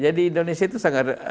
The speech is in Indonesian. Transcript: jadi indonesia itu sangat